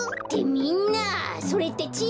みんなそれってちぃ